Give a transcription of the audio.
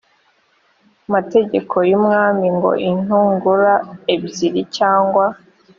mategeko y umwami ngo intungura ebyiri cyangwa